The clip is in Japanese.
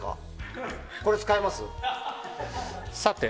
さて。